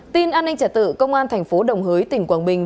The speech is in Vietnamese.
tin an ninh trả tự công an thành phố đồng hới tỉnh quảng bình